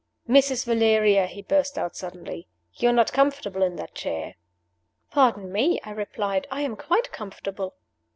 "Mrs. Valeria," he burst out suddenly, "you are not comfortable in that chair." "Pardon me," I replied; "I am quite comfortable."